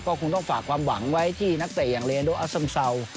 ก็คงต้องฝากความหวังไว้ที่นักเตะอย่างเรนโดอัสซัมเซา